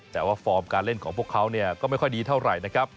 แต่ว่าฟอร์มการเล่นของพวกเขาก็ไม่ค่อยดีเท่าไหร่นะครับ